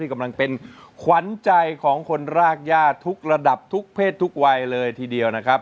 กำลังเป็นขวัญใจของคนรากย่าทุกระดับทุกเพศทุกวัยเลยทีเดียวนะครับ